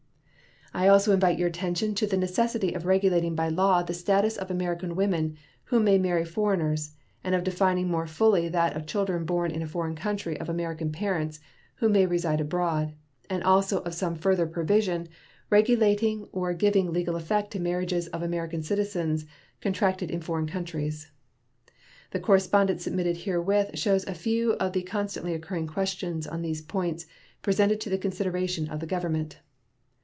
I also invite your attention to the necessity of regulating by law the status of American women who may marry foreigners, and of defining more fully that of children born in a foreign country of American parents who may reside abroad; and also of some further provision regulating or giving legal effect to marriages of American citizens contracted in foreign countries. The correspondence submitted herewith shows a few of the constantly occurring questions on these points presented to the consideration of the Government.